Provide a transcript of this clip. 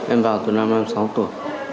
em vào tuổi năm em sáu tuổi